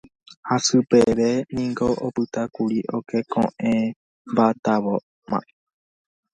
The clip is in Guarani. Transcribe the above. Hasy peve niko opytákuri oke ko'ẽmbotávoma.